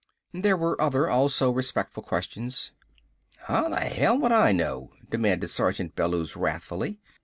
There were other, also respectful questions. "How the hell would I know?" demanded Sergeant Bellews wrathfully.